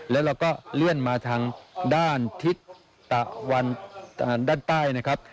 แล้วเราก็เลื่อนมาทางด้านทิศตะวันด้านใต้นะครับ